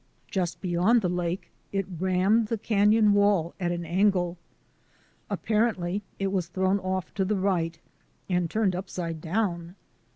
Just beyond the lake it rammed the canon wall at an angle. Apparently it was thrown off to the right and turned upside down.